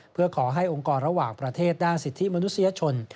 เพื่อขอให้องค์กรระหว่างประเทศด้านสิทธิมนุษยชน